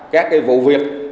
các vụ việc